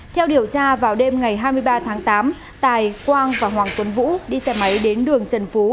theo điều tra vào đêm ngày hai mươi ba tháng tám tài quang và hoàng tuấn vũ đi xe máy đến đường trần phú